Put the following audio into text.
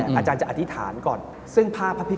แขกเบอร์ใหญ่ของผมในวันนี้